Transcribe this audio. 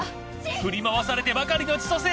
振り回されてばかりの千歳。